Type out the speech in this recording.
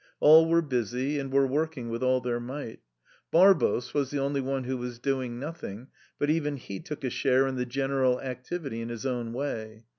AIL were busy and were r working with all their might 'Barbos^vas the only one^ who was doing nothing, but even^Tie"~tbok a share in the general activity in his own way.